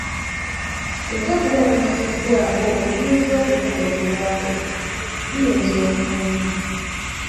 Singa guba gukukakiddwako ebiyinza okugukolebwao biyinza obutanyuma.